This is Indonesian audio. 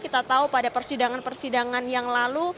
kita tahu pada persidangan persidangan yang lalu